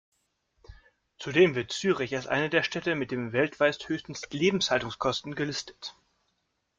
Zudem wird Zürich als eine der Städte mit den weltweit höchsten Lebenshaltungskosten gelistet.